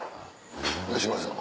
吉村さんは？